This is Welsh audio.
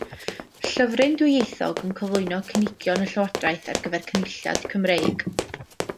Llyfryn dwyieithog yn cyflwyno cynigion y Llywodraeth ar gyfer Cynulliad Cymreig.